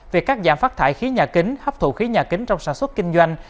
việc cắt giảm phát thải khí nhà kính hấp thụ khí nhà kính trong sản xuất kinh doanh